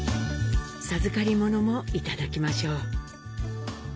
授かり物もいただきましょう。